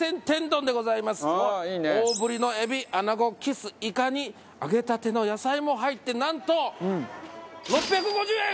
大ぶりのエビアナゴキスイカに揚げたての野菜も入ってなんと６５０円！